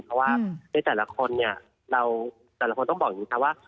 เพราะว่าในแต่ละคนเนี่ยเราแต่ละคนต้องบอกอย่างนี้ค่ะว่า